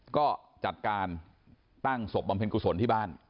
ก็จัดการตั้งศพบำเพ็ญกุศลที่บ้าน